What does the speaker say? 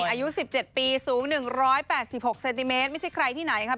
อายุ๑๗ปีสูง๑๘๖เซนติเมตรไม่ใช่ใครที่ไหนครับ